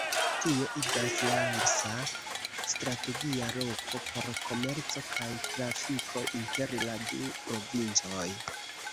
Tio igas Langsa strategia loko por komerco kaj trafiko inter la du provincoj.